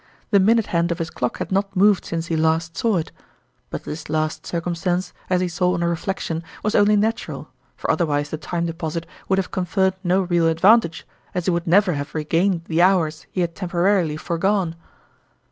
The minute hand of his clock had not moved since he last saw it ; but this last circumstance, as he saw on reflection, was only natural, for otherwise the Time Deposit would have conferred no real advantage, as he would never have regained the hours he had tempo rarily foregone.